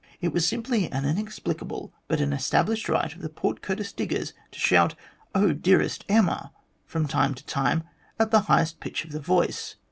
It was simply an inexpli cable but an established rite of the Port Curtis diggers to shout " Oh, dearest Emma," from time to time at the highest pitch of the voice.